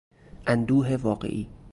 اندوه واقعی